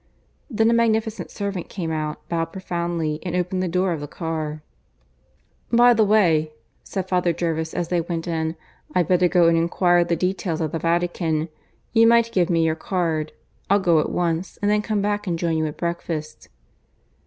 Then a magnificent servant came out, bowed profoundly, and opened the door of the car. "By the way," said Father Jervis as they went in, "I'd better go and enquire the details at the Vatican. You might give me your card. I'll go at once, and then come back and join you at breakfast."